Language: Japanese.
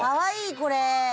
これ！